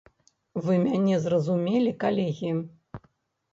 Вы мяне зразумелі, калегі?